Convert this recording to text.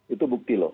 itu bukti loh